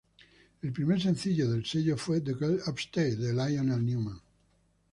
El primer sencillo del sello fue "The Girl Upstairs" de Lionel Newman.